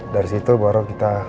dari situ baru kita